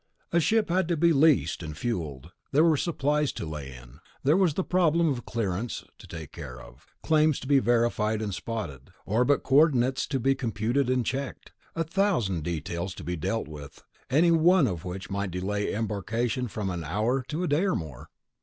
A ship had to be leased and fueled; there were supplies to lay in. There was the problem of clearance to take care of, claims to be verified and spotted, orbit coordinates to be computed and checked ... a thousand details to be dealt with, anyone of which might delay embarkation from an hour to a day or more.